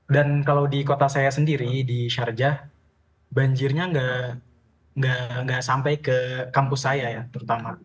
dan kalau di kota saya sendiri di sharjah banjirnya nggak sampai ke kampus saya ya terutama